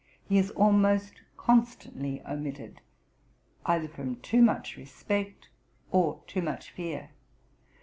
He is almost constantly omitted, either from too much respect or too much fear.